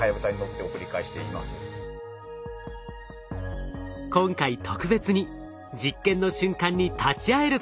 今回特別に実験の瞬間に立ち会えることに。